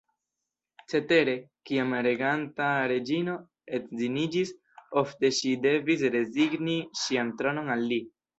Cetere, kiam reganta reĝino edziniĝis, ofte ŝi devis rezigni ŝian tronon al li.